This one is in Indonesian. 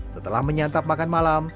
setelah menyantap makan malam